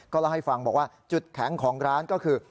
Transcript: เล่าให้ฟังบอกว่าจุดแข็งของร้านก็คือ